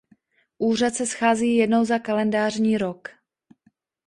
Úřad se schází jednou za kalendářní rok.